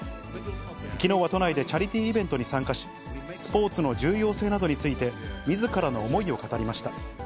きのうは都内でチャリティーイベントに参加し、スポーツの重要性などについて、みずからの思いを語りました。